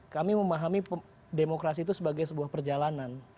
kami memahami demokrasi itu sebagai sebuah perjalanan